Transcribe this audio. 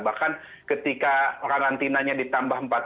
bahkan ketika karantinanya ditambah empat belas hari sekalipun